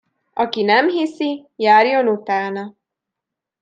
Aki nem hiszi, járjon utána.